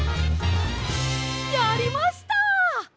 やりました！